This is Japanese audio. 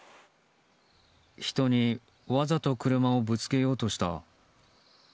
人にわざと車をぶつけようとした。